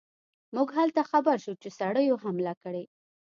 موږ هلته خبر شو چې سړیو حمله کړې.